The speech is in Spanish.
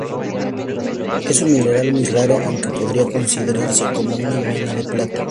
Es un mineral muy raro, aunque podría considerarse como una mena de plata.